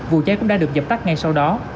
vụ cháy cũng đã được dập tắt ngay sau đó